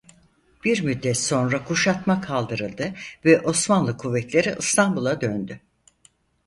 Bir müddet sonra kuşatma kaldırıldı ve Osmanlı kuvvetleri İstanbul'a döndü.